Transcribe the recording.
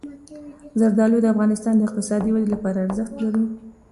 زردالو د افغانستان د اقتصادي ودې لپاره ارزښت لري.